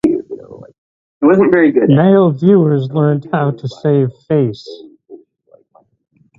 Male viewers learned how to save face.